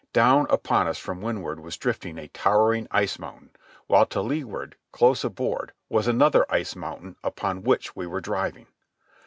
Down upon us from windward was drifting a towering ice mountain, while to leeward, close aboard, was another ice mountain upon which we were driving.